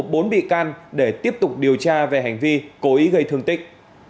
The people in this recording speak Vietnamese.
bốn bị can để tiếp tục điều tra về hành vi cố ý gây thương tích